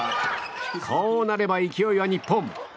こうなれば、勢いは日本。